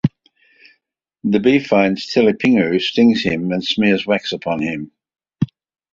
The bee finds Telipinu, stings him and smears wax upon him.